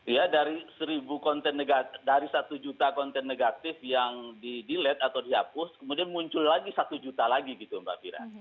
ya dari seribu dari satu juta konten negatif yang di delate atau dihapus kemudian muncul lagi satu juta lagi gitu mbak fira